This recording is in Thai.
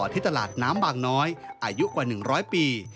ที่ตลาดน้ำบางน้อยอายุกว่า๑๐๐ปี